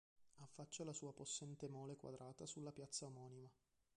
Affaccia la sua possente mole quadrata sulla piazza omonima.